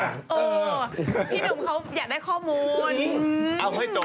พี่หนุ่มเขาอยากได้ข้อมูล